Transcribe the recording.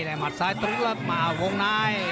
ในหมดซ้ายตรงเริ่มอยู่วงนาย